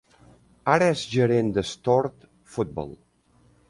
Ara és gerent d'Stord Fotball.